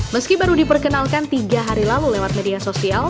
meski baru diperkenalkan tiga hari lalu lewat media sosial